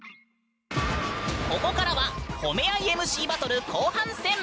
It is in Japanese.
ここからは褒め合いＭＣバトル後半戦。